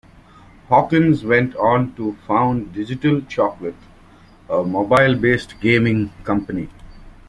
Hawkins went on to found Digital Chocolate, a mobile-based gaming company.